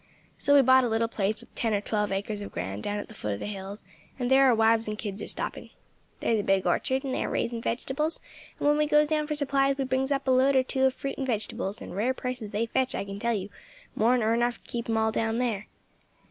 So we bought a little place with ten or twelve acres of ground, down at the foot of the hills, and there our wives and the kids are stopping. There's a big orchard, and they are raising vegetables, and when we goes down for supplies we brings up a load or two of fruit and vegetables, and rare prices they fetch, I can tell you, more nor enough to keep them all down there.